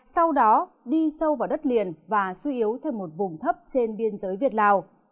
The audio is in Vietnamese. sau đó đi sâu vào đất liền và suy yếu theo một vùng thấp trên biên giới việt lào